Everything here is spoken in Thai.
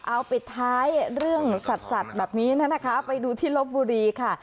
เอาปิดท้ายเรื่องสัตว์แบบนี้นะคะไปดูที่ลบบุรีค่ะ